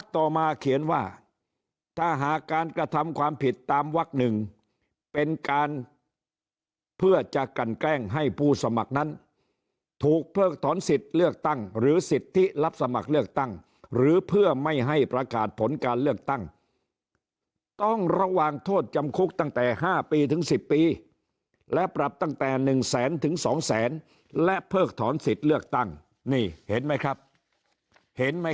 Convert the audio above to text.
ต่อมาเขียนว่าถ้าหากการกระทำความผิดตามวัก๑เป็นการเพื่อจะกันแกล้งให้ผู้สมัครนั้นถูกเพิกถอนสิทธิ์เลือกตั้งหรือสิทธิรับสมัครเลือกตั้งหรือเพื่อไม่ให้ประกาศผลการเลือกตั้งต้องระวังโทษจำคุกตั้งแต่๕ปีถึง๑๐ปีและปรับตั้งแต่๑แสนถึง๒แสนและเพิกถอนสิทธิ์เลือกตั้งนี่เห็นไหมครับเห็นไหม